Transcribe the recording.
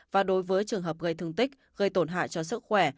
và đối với trường hợp gây thương tích gây tổn hại cho sức khỏe